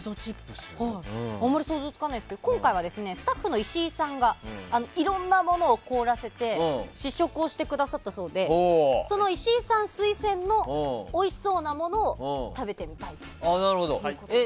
あまり想像つかないですがスタッフの石井さんがいろんなものを凍らせて試食をしてくださったそうでその石井さん推薦のおいしそうなものを食べてみたいということです。